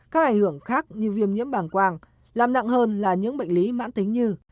các ảnh hưởng khác như viêm nhiễm bảng quang làm nặng hơn là những bệnh lý mãn tính như